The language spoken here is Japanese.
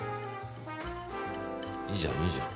いいじゃんいいじゃん。